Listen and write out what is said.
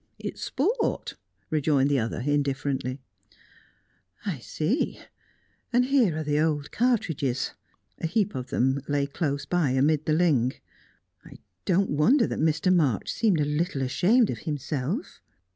"It's sport," rejoined the other indifferently. "I see. And here are the old cartridges." A heap of them lay close by amid the ling. "I don't wonder that Mr. March seemed a little ashamed of himself."